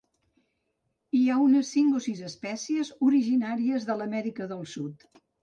Hi ha unes cinc o sis espècies originàries de l'Amèrica del Sud.